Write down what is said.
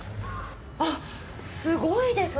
あっすごいですねこれ。